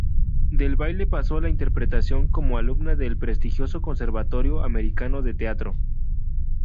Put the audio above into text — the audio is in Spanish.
Del baile pasó a la interpretación como alumna del prestigioso Conservatorio Americano de Teatro.